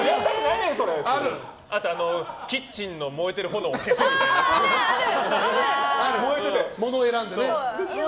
あとキッチンの燃えてる炎を消すやつ。